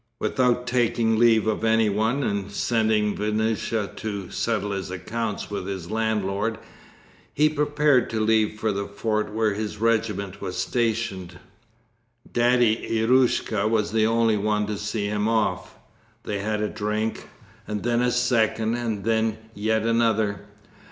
Without taking leave of anyone, and sending Vanyusha to settle his accounts with his landlord, he prepared to leave for the fort where his regiment was stationed. Daddy Eroshka was the only one to see him off. They had a drink, and then a second, and then yet another.